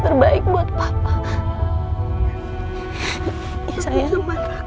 kamu gak boleh mikir yang aneh aneh